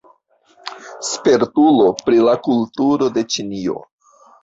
Spertulo pri la kulturo de Ĉinio.